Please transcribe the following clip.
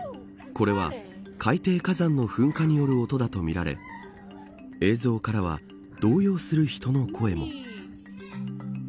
これは、海底火山の噴火による音だとみられ映像からは動揺する人の声も。